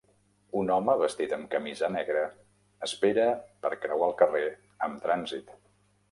Un home vestit amb camisa negra espera per creuar el carrer amb trànsit.